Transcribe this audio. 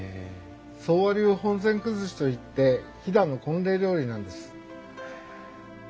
宗和流本膳崩しといって飛騨の婚礼料理なんです。